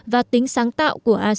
và tính sáng tạo của các nước